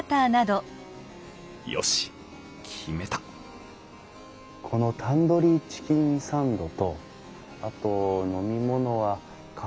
よし決めたこのタンドリーチキンサンドとあと飲み物はカフェオレをお願いします。